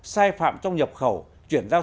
sai phạm trong nhập khẩu chuyển giao